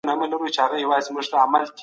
ما خپله کڅوړه پخپله جوړه کړې ده.